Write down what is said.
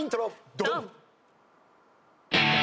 ドン！